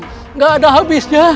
tidak ada habisnya